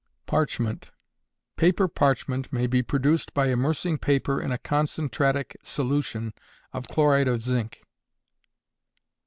Parchment. Paper parchment may be produced by immersing paper in a concentratic solution of chloride of zinc.